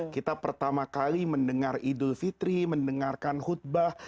kita pertama kali mendengar idul fitri mendengarkan khutbah